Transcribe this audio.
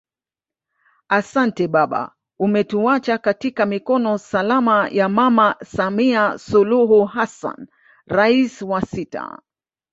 Asante baba umetuacha katika mikono salama ya Mama Samia Suluhu Hassan Rais wa sita